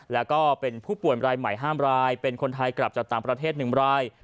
แล้วก็เป็นผู้ป่วยรายใหม่๕รายเป็นคนไทยกลับจากต่างประเทศ๑ราย